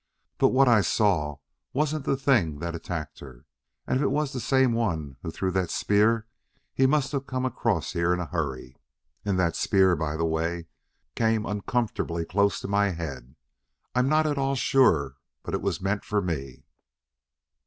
But what I saw wasn't the thing that attacked her. And if it was the same one who threw that spear he must have come across here in a hurry. And that spear, by the way, came uncomfortably close to my head. I'm not at all sure but it was meant for me."